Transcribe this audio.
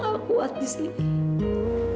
saya udah gak kuat di sini